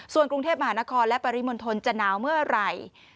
ส่วนกรุงเทพมหานครและปริมณฑลจะหนาวเมื่อไหร่